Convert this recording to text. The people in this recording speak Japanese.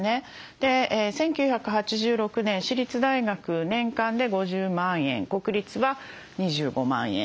１９８６年私立大学年間で５０万円国立は２５万円。